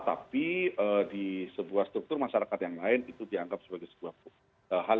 tapi di sebuah struktur masyarakat yang lain itu dianggap sebagai sebuah hal